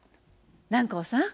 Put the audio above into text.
南光さん